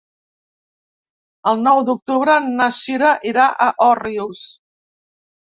El nou d'octubre na Cira irà a Òrrius.